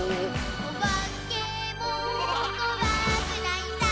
「おばけもこわくないさ」